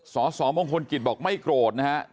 สสมงคลกิจบอกไม่โกรธนะฮะ